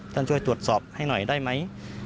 ท่านช่วยตรวจสอบให้หน่อยได้มั้ย